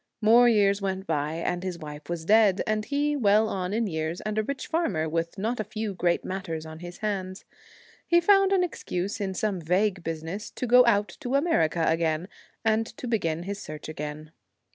More years went by, and his wife was dead, and he well on in years, and a rich farmer with not a few great matters on his hands. He found an excuse in some vague business to go out to America again, and to begin his search again.